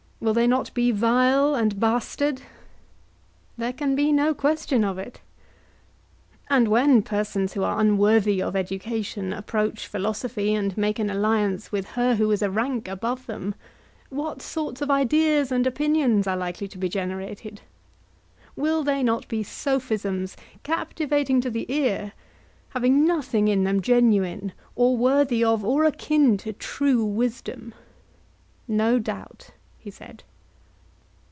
Will they not be vile and bastard? There can be no question of it. And when persons who are unworthy of education approach philosophy and make an alliance with her who is in a rank above them what sort of ideas and opinions are likely to be generated? Will they not be sophisms captivating to the ear, having nothing in them genuine, or worthy of or akin to true wisdom? No doubt, he said.